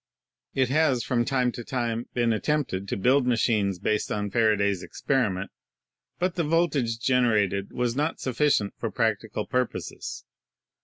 It has from time to time been attempted to build ma chines based on Faraday's experiment, but the voltage generated was not sufficient for practical purposes.